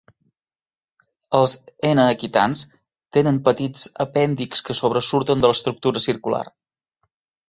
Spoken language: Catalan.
Els "n. equitans" tenen petits apèndixs que sobresurten de l'estructura circular.